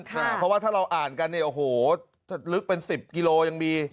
เพราะว่าถ้าเราอ่านกันเนี่ยโอ้โหจะลึกเป็น๑๐กิโลยังมี